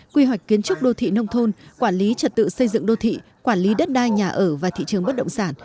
quy hoạch kiến trúc đô thị nông thôn quản lý trật tự xây dựng đô thị quản lý đất đai nhà ở và thị trường bất động sản